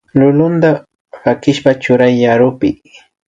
Lulunta pakishpa churay warukpi